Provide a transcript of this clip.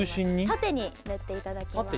縦に塗っていただきます